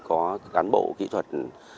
có cán bộ kỹ thuật